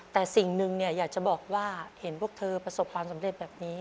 แต่สิ่งหนึ่งอยากจะบอกว่าเห็นพวกเธอประสบความสำเร็จแบบนี้